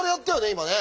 今ね。